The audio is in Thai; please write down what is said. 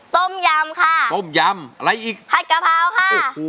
ต้มยำค่ะอะไรอีกขัดกะเพราค่ะ